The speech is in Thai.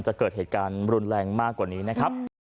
ใช้ละกันไม่ควรตามโยม